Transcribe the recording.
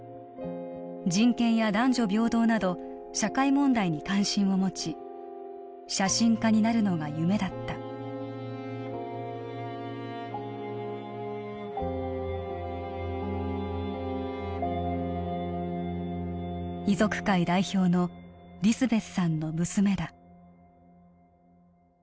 人権や男女平等など社会問題に関心を持ち写真家になるのが夢だった遺族会代表のリスベスさんの娘だ